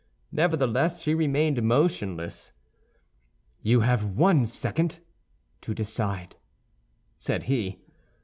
Nevertheless, she remained motionless. "You have one second to decide," said he.